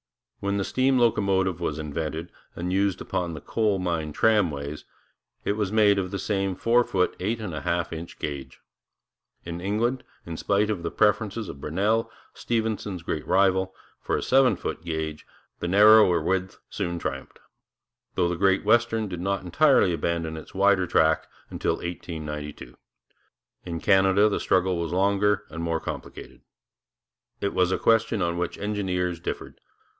When the steam locomotive was invented, and used upon the coal mine tramways, it was made of the same four foot eight and a half inch gauge. In England, in spite of the preferences of Brunel, Stephenson's great rival, for a seven foot gauge, the narrower width soon triumphed, though the Great Western did not entirely abandon its wider track until 1892. In Canada the struggle was longer and more complicated. It was a question on which engineers differed.